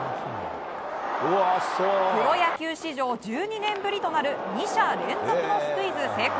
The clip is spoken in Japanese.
プロ野球史上１２年ぶりとなる２者連続のスクイズ成功。